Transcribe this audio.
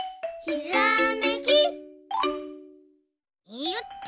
いよっと。